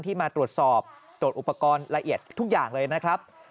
มาตรวจสอบตรวจอุปกรณ์ละเอียดทุกอย่างเลยนะครับ